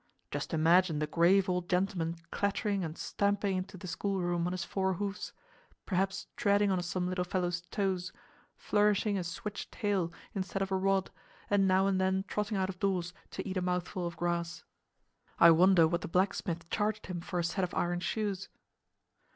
Just imagine the grave old gentleman clattering and stamping into the schoolroom on his four hoofs, perhaps treading on some little fellow's toes, flourishing his switch tail instead of a rod and now and then trotting out of doors to eat a mouthful of grass! I wonder what the blacksmith charged him for a set of iron shoes.